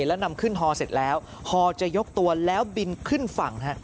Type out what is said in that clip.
แล้วนำขึ้นฮอเสร็จแล้วฮอจะยกตัวแล้วบินขึ้นฝั่ง